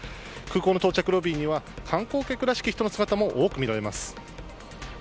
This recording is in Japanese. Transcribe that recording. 空港の到着ロビーには観光客らしき人の姿も多く見られます。